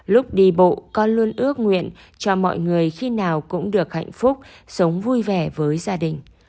lúc đi bộ con luôn ước nguyện cho mọi người khi nào cũng được hạnh phúc sống vui vẻ với gia đình